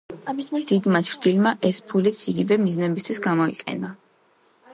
დიდმა ჩრდილოელმა ეს ფულიც იგივე მიზნებისთვის გამოიყენა.